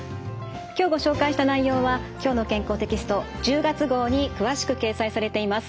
今日ご紹介した内容は「きょうの健康」テキスト１０月号に詳しく掲載されています。